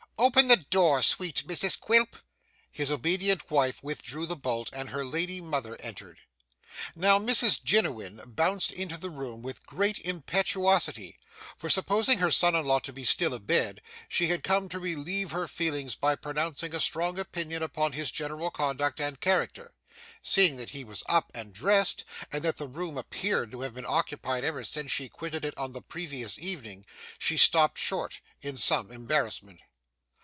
Open the door, sweet Mrs Quilp!' His obedient wife withdrew the bolt, and her lady mother entered. Now, Mrs Jiniwin bounced into the room with great impetuosity; for, supposing her son in law to be still a bed, she had come to relieve her feelings by pronouncing a strong opinion upon his general conduct and character. Seeing that he was up and dressed, and that the room appeared to have been occupied ever since she quitted it on the previous evening, she stopped short, in some embarrassment.